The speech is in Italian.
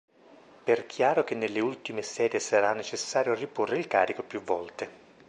Per chiaro che nelle ultime serie sarà necessario riporre il carico più volte.